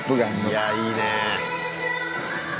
いやいいねぇ。